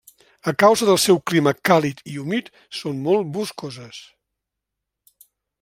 A causa del seu clima càlid i humit són molt boscoses.